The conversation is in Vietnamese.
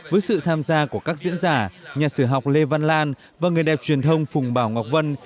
với sự tham gia của các diễn giả nhà sử học lê văn lan và người đẹp truyền thông phùng bảo ngọc vân